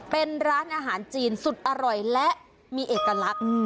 เป็นร้านอาหารจีนสุดอร่อยและมีเอกลักษณ์